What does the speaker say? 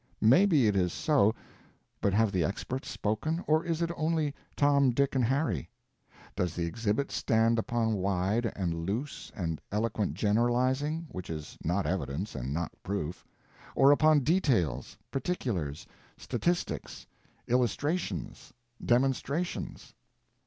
Maybe it is so, but have the experts spoken, or is it only Tom, Dick, and Harry? Does the exhibit stand upon wide, and loose, and eloquent generalizing—which is not evidence, and not proof—or upon details, particulars, statistics, illustrations, demonstrations?